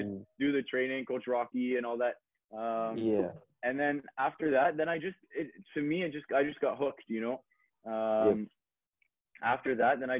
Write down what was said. saya hanya melakukan latihan saya mengajar rocky dan sebagainya